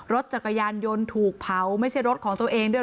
รถจักรยานยนต์ถูกเผาไม่ใช่รถของตัวเองด้วย